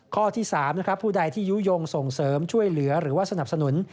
ข้อที่๓นะครับผู้ใดที่ยุโยงส่งเสริมช่วยเหลือหรือว่าสนับสนุน